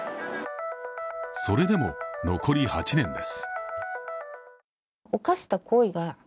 それでも残り８年です。